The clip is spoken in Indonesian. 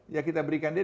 ya kita berikan dia